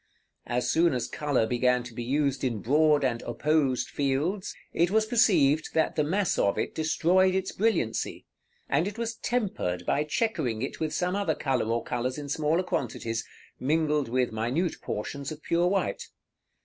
As soon as color began to be used in broad and opposed fields, it was perceived that the mass of it destroyed its brilliancy, and it was tempered by chequering it with some other color or colors in smaller quantities, mingled with minute portions of pure white.